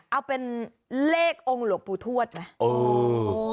เอาเป็นเลของค์หลวงปู่ทวดไหม